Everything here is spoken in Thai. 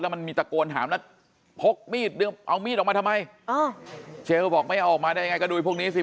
มันมีตะโกนถามแล้วพกมีดเอามีดออกมาทำไมเจลบอกไม่ออกมาได้ยังไงก็ดูพวกนี้สิ